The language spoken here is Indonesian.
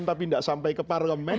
tapi tidak sampai ke parlemen